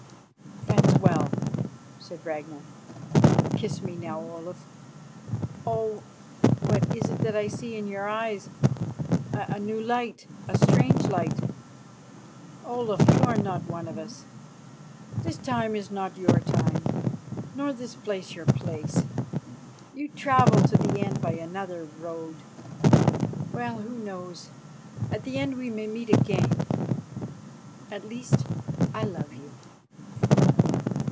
"That's well," said Ragnar. "Kiss me now, Olaf. Oh! what is it that I see in your eyes? A new light, a strange light! Olaf, you are not one of us. This time is not your time, nor this place your place. You travel to the end by another road. Well, who knows? At that end we may meet again. At least I love you."